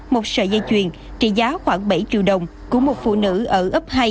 một sợi dây chuyền trị giá khoảng bảy triệu đồng của một phụ nữ ở ấp hai